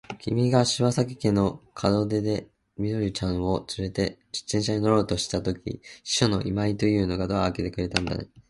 きみが篠崎家の門前で、緑ちゃんをつれて自動車に乗ろうとしたとき、秘書の今井というのがドアをあけてくれたんだね。きみは今井君の顔をはっきり見たのかね。